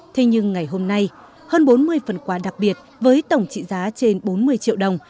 thế nhưng ngày hôm nay hơn bốn mươi phần quà đặc biệt với tổng trị giá trên bốn mươi triệu đồng